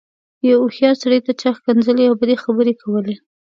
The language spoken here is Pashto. يوه هوښيار سړي ته چا ښکنځلې او بدې خبرې کولې.